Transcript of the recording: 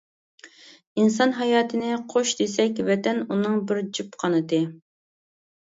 ئىنسان ھاياتىنى قۇش دېسەك ۋەتەن ئۇنىڭ بىر جۈپ قانىتى.